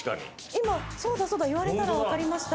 今そうだそうだ言われたら分かりました